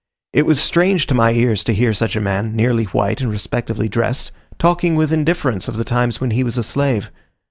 It was strange to my ears to hear a man, nearly white and respectably dressed, talking with indifference of the times when he was a slave.